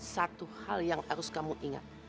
satu hal yang harus kamu ingat